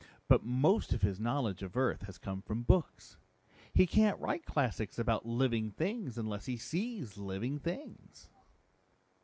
But most of his knowledge of Earth has come from books; he can't write classics about living things unless he sees living things."